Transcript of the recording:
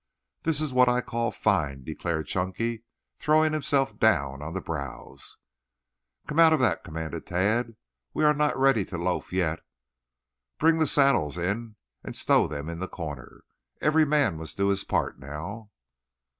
"This is what I call fine," declared Chunky, throwing himself down on the browse. "Come out of that," commanded Tad. "We are not ready to loaf yet. Bring the saddles in and stow them in the corner. Every man must do his part now."